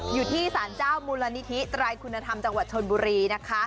อยู่ที่สารเจ้ามูลนิธิไตรคุณธรรมจังหวัดชนบุรีนะคะ